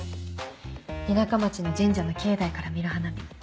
田舎町の神社の境内から見る花火。